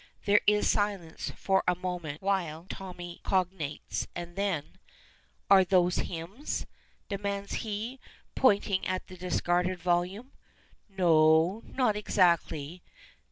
There is silence for a moment while Tommy cogitates, and then "Are those hymns?" demands he, pointing at the discarded volume. "N o, not exactly."